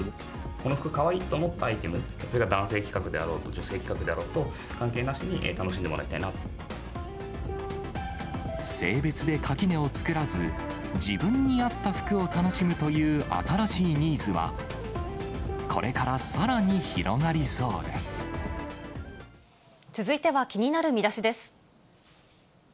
この服、かわいいと思ったアイテム、それが男性規格であろうと、女性規格であろうと関係なしに楽性別で垣根を作らず、自分に合った服を楽しむという新しいニーズは、これからさらに広がりそ続いては気になるミダシです。